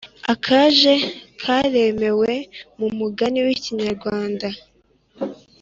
Akaje karemewe numugani wikinyarwanda